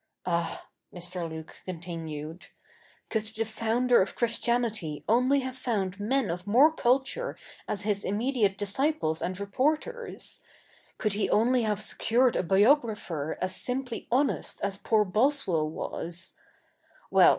Ah,' Mr. Luke continued, 'could the Founder of Christianity only have found men of more culture as His immediate disciples and reporters — could He only have secured a biographer as simply honest as poor Boswell was ^^'ell.